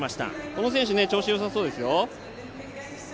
この選手調子よさそうですよ。